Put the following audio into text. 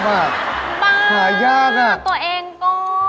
บ้าตัวเองก็